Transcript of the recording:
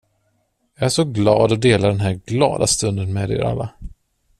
Jag är så glad att dela den här glada stunden med er alla.